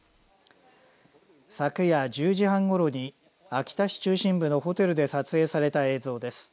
昨夜１０時半ごろに秋田市中心部のホテルで撮影された映像です。